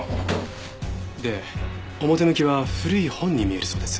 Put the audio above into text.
で表向きは古い本に見えるそうです。